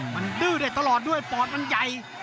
มันดื้อได้ตลอดด้วยปอดมันใหญ่